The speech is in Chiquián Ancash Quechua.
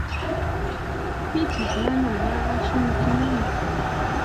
Pipis manam maqashunkimantsu.